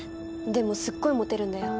でもすっごいモテるんだよ。